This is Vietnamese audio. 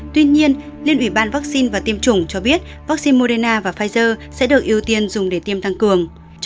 tuy nhiên liên ủy ban vaccine và tiêm chủng cho biết vaccine moderna và pfizer sẽ được ưu tiên dùng để tiêm tăng cường